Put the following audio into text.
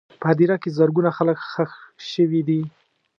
په هدیره کې زرګونه خلک ښخ شوي دي.